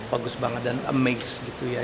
bagus banget dan amage gitu ya